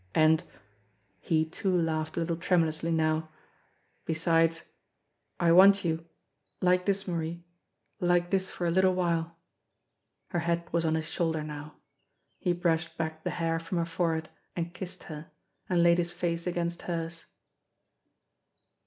And" he too laughed a little tremulously now "be sides I want you like this, Marie like this for a little while." Her head was on his shoulder now. He brushed back the hair from her forehead, and kissed her, and laid his face against hers.